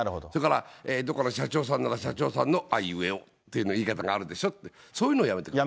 それからどこの社長さんなら社長さんのあいうえおという言い方があるでしょって、そういうのをやめて。